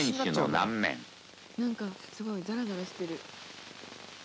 「なんかすごいザラザラしてる」